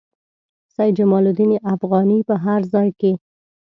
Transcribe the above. سید جمال الدین افغاني په هر ځای کې.